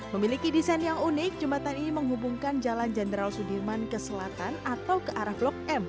memiliki desain yang unik jembatan ini menghubungkan jalan jenderal sudirman ke selatan atau ke arah blok m